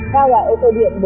theo là ô tô điện